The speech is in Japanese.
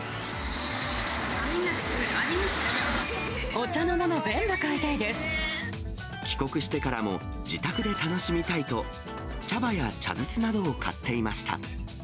お茶のもの、全部買いたいで帰国してからも、自宅で楽しみたいと、茶葉や茶筒などを買っていました。